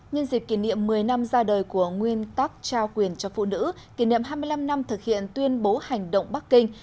nhân dịp kỷ niệm một mươi năm ra đời của nguyên tắc trao quyền cho phụ nữ kỷ niệm hai mươi năm năm thực hiện tuyên bố hành động bắc kinh